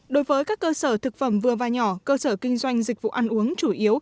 đối với các cơ sở thực phẩm vừa và nhỏ cơ sở kinh doanh dịch vụ ăn uống chủ yếu